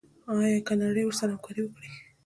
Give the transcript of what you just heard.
آیا که نړۍ ورسره همکاري وکړي؟